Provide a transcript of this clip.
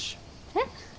えっ？